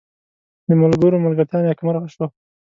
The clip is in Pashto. د ملګرو ملتیا نیکمرغه شوه.